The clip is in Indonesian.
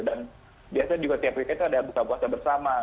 dan biasanya juga tiap hari itu ada buka puasa bersama